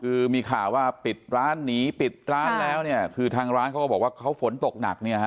คือมีข่าวว่าปิดร้านหนีปิดร้านแล้วเนี่ยคือทางร้านเขาก็บอกว่าเขาฝนตกหนักเนี่ยฮะ